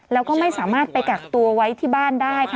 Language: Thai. แล้วก็ไม่สามารถไปกักตัวไว้ที่บ้านได้ค่ะ